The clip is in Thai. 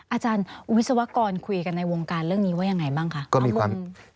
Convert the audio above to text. อาจารย์วิศวกรคุยกันในวงการเรื่องนี้ว่ายังไงบ้างคะข้อมูล